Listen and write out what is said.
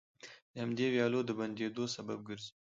د همدې ويالو د بندېدو سبب ګرځي،